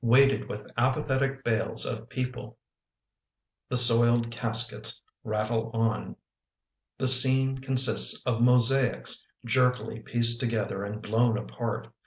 Weighted with apathetic bales of people The soiled caskets rattle on. The scene consists of mosaics Jerkily pieced together and blown apart.